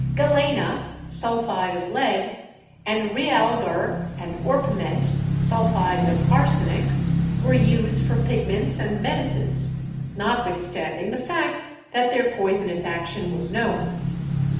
Galena (sulphide of lead) and realgar and orpiment (sulphides of arsenic) were used for pigments and medicines, notwithstanding the fact that their poisonous action was known.